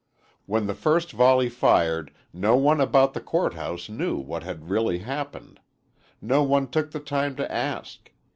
When the first volley fired, no one about the court house knew what had really happened. No one took the time to ask.